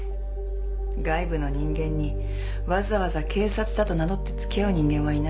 外部の人間にわざわざ警察だと名乗って付き合う人間はいない。